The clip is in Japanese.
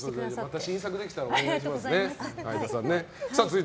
新作ができたらお願いしますね。